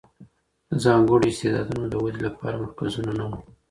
د ځانګړو استعدادونو د ودې لپاره مرکزونه نه وو.